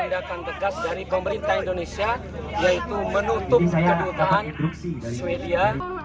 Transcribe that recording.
tindakan tegas dari pemerintah indonesia yaitu menutup kedutaan sweden